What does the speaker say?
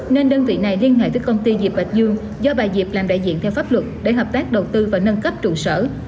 nên đơn vị này liên hệ với công ty diệp bạch dương do bà diệp làm đại diện theo pháp luật để hợp tác đầu tư và nâng cấp trụ sở